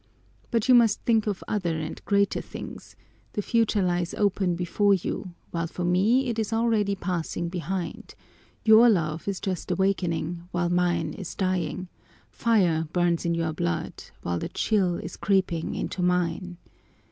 But you must think of other and greater things; the future lies open before you, while for me it is already passing behind; your love is just awakening, while mine is dying; fire burns in your blood, while the chill is creeping into mine.